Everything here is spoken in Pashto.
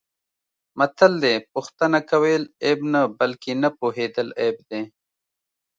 متل دی: پوښتنه کول عیب نه، بلکه نه پوهېدل عیب دی.